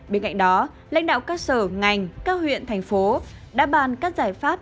bên cạnh đó lãnh đạo các sở ngành các huyện thành phố đã bàn các giải pháp